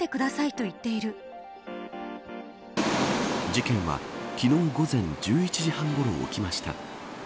事件は昨日午前１１時半ごろ起きました。